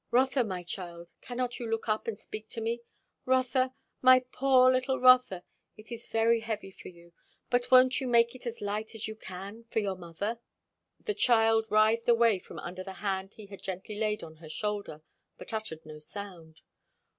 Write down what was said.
"Rotha, my child, cannot you look up and speak to me? Rotha my poor little Rotha it is very heavy for you! But won't you make it as light as you can for your mother?" The child writhed away from under the hand he had gently laid on her shoulder; but uttered no sound.